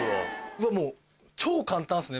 うわ超簡単っすね